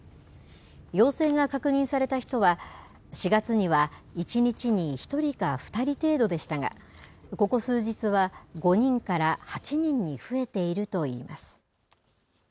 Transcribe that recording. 陽性が確認された人は４月には１日に１人か２人程度でしたがここ数日は、５人から８人に増えていると言います。